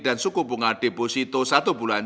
dan suku bunga deposito satu bulan